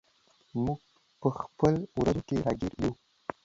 موږ په خپلو ورځو کې راګیر یو.